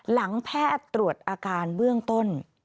แพทย์ตรวจอาการเบื้องต้น